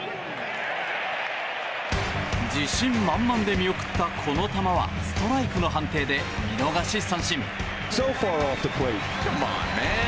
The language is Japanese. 自信満々で見送ったこの球はストライクの判定で見逃し三振。